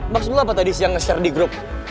maksud lo apa tadi siang nge share di grup